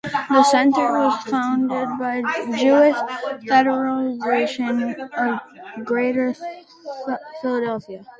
The Center was funded by Jewish Federation of Greater Philadelphia.